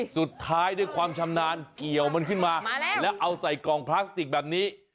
ด้วยความชำนาญเกี่ยวมันขึ้นมาแล้วเอาใส่กล่องพลาสติกแบบนี้